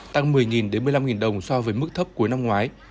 tăng một mươi một mươi năm đồng so với mức thấp cuối năm ngoái